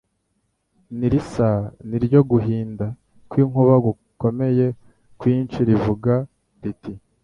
n’irisa n’iryo guhinda kw’inkuba gukomeye kwinshi rivuga riti,